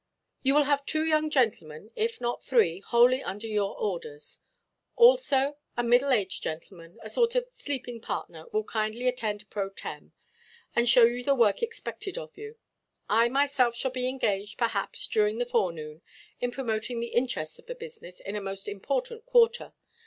"You will have two young gentlemen, if not three, wholly under your orders. Also a middle–aged gentleman, a sort of sleeping partner, will kindly attend pro tem., and show you the work expected of you. I myself shall be engaged, perhaps, during the forenoon, in promoting the interests of the business in a most important quarter.